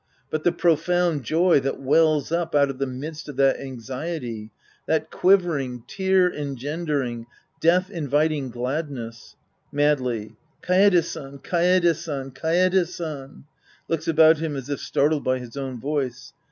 But the profound joy that wells up out of the midst of that anxiety ! That quivering, tear engendering, death inviting gladness ! {Madly.) Kaede San, Kaede San, Kaede San ! {Looks about him as if startled by his own voice.